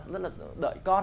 rất là đợi con